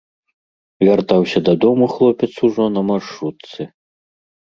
Вяртаўся дадому хлопец ужо на маршрутцы.